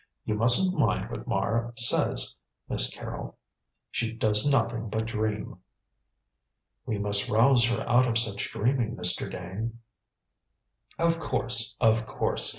"You mustn't mind what Mara says, Miss Carrol: she does nothing but dream." "We must rouse her out of such dreaming, Mr. Dane." "Of course; of course!